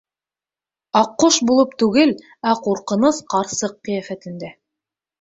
Аҡҡош булып түгел, ә ҡурҡыныс ҡарсыҡ ҡиәфәтендә.